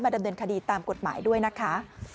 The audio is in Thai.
ดำเนินคดีตามกฎหมายด้วยนะคะ